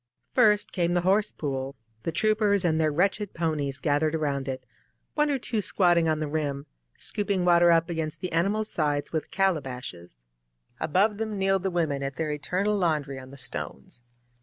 First came the horse pool, the troopers and their wretched ponie6 gathered around it ; one or two squatting on the rim, scooping water up against the animals' sides with calabashes. ••• Above them kneeled the women at their eternal laundry on the stones.